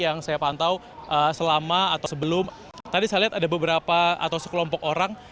yang saya pantau selama atau sebelum tadi saya lihat ada beberapa atau sekelompok orang